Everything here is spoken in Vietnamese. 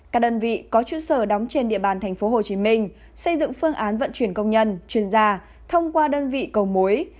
các đơn vị có chuyên sở đóng trên địa bàn tp hcm xây dựng phương án vận chuyển công nhân chuyên gia thông qua đơn vị cầu mối